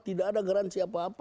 tidak ada garansi apa apa